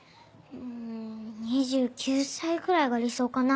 うん２９歳くらいが理想かな？